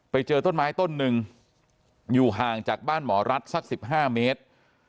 ไปเจอต้นไม้ต้นหนึ่งอยู่ห่างจากบ้านหมอรัฐสัก๑๕เมตร